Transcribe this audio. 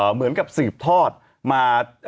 เหมือนกับสืบทอดมา